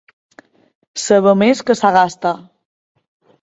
Saber més que Sagasta.